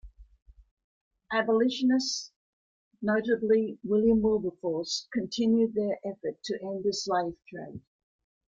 Abolitionists, notably William Wilberforce, continued their effort to end the slave trade.